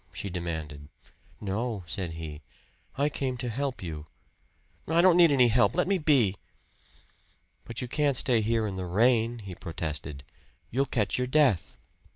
she demanded. "No," said he, "I came to help you." "I don't need any help. Let me be." "But you can't stay here in the rain," he protested. "You'll catch your death."